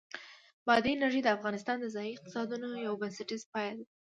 بادي انرژي د افغانستان د ځایي اقتصادونو یو بنسټیز پایایه دی.